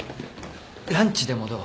ランチでもどう？